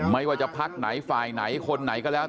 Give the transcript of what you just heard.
ไม่ว่าจะพักไหนฝ่ายไหนคนไหนก็แล้ว